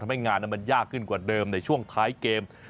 ให้งานมันยากขึ้นกว่าเดิมในช่วงท้ายเกม